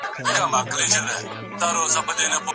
د نورو کارونو یادونه د علمي ژمنتیا نښه ده.